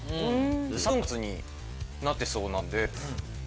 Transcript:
三分割になってそうなんで。